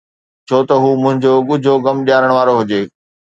ڇو ته هو منهنجو ڳجهو غم ڏيارڻ وارو هجي؟